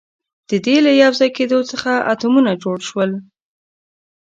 د دې له یوځای کېدو څخه اتمونه جوړ شول.